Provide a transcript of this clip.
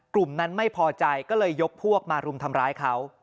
กลุ่มนั้นไม่พอใจก็เลยยกพวกมารุมทำร้ายเขา